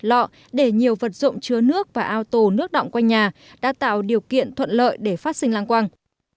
lọ để nhiều vật dụng chứa nước và ao tổ nước đọng quanh nhà đã tạo điều kiện thuận lợi để phát sinh làng quang